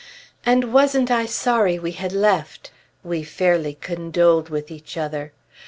And wasn't I sorry we had left! We fairly condoled with each other.